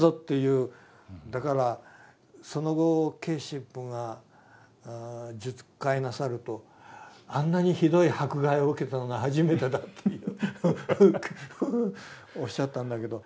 だからその後Ｋ神父が述懐なさると「あんなにひどい迫害を受けたのは初めてだ」っておっしゃったんだけど。